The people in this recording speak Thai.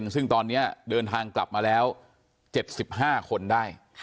ซึ่งตอนนี้เดินทางกลับมาแล้ว๗๕คนได้